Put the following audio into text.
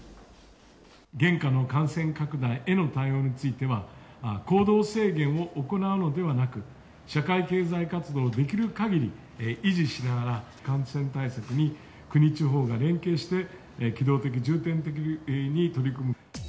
現下の感染拡大への対応については、行動制限を行うのではなく、社会経済活動をできるかぎり維持しながら、感染対策に国、地方が連携して、機動的、重点的に取り組む。